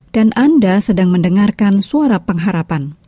anda sedang mendengarkan suara pengharapan